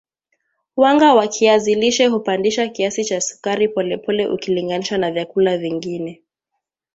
Wanga wa kiazi lishe hupandisha kiasi cha sukari polepole ukilinganisha na vyakula vingine